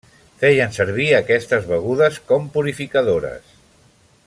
Feien servir aquestes begudes com purificadores.